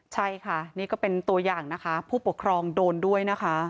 ใช่ค่ะนี่ก็เป็นตัวอย่างนะคะผู้ปกครองโดนด้วยนะคะ